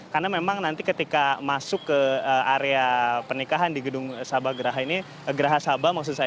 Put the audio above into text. karena memang nanti ketika masuk ke area pernikahan di gedung gerah sabah